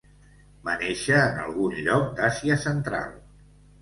Va néixer en algun lloc d'Àsia central.